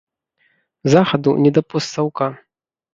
Захаду не да постсаўка.